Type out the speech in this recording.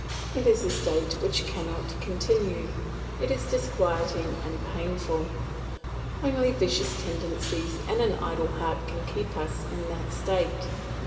It is a state which cannot continue, it is disquieting and painful; only vicious tendencies and an idle heart can keep us in that state.